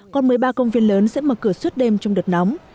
còn một mươi ba công viên lớn sẽ mở cửa suốt đêm trong đợt nóng